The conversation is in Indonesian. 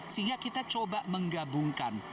sehingga kita coba menggabungkan